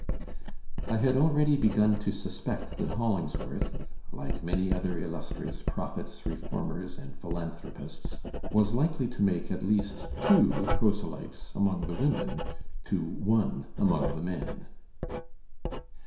'' *^I had already b^gun to suspect that Hollingsworth, like many other illustrious prophets, reformers, and philan thropists, was likely to make at least two proselytes among the women to one among the men.''